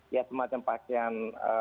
ya semacam pakaian